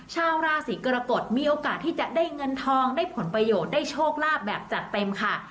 ชาวราศีกรกฎมีโอกาสที่จะได้เงินทองได้ผลประโยชน์ได้โชคลาภแบบจัดเต็มค่ะ